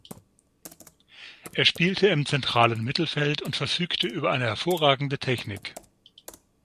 Er spielte im zentralen Mittelfeld und verfügte über eine hervorragende Technik.